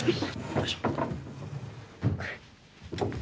よいしょ。